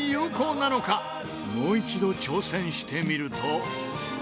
もう一度挑戦してみると。